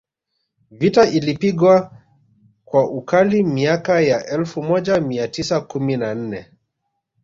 Vita ilipigwa kwa ukali miaka ya elfu moja mia tisa kumi na nne